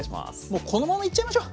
もうこのままいっちゃいましょ。